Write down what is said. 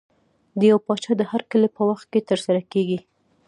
د یو پاچا د هرکلي په وخت کې ترسره کېږي.